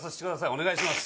お願いします